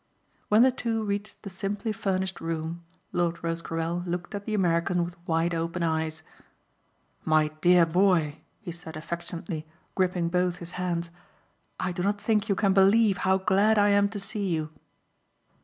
When the two reached the simply furnished room Lord Rosecarrel looked at the American with wide open eyes. "My dear boy," he said affectionately, gripping both his hands. "I do not think you can believe how glad I am to see you."